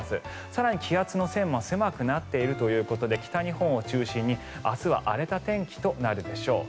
更に気圧の線も狭くなっているということで北日本を中心に明日は荒れた天気となるでしょう。